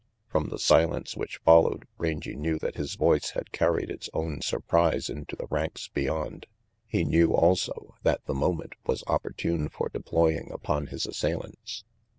From the silence which followed, Rangy knew that his voice had carried its own surprise into the ranks beyond. He knew, also, that the moment was opportune for deploying upon his assailants.